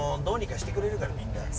どうにかしてくれるからみんな。